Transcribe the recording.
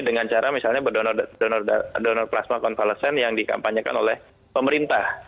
dengan cara misalnya berdonor plasma pasmakan falesen yang dikampanyekan oleh pemerintah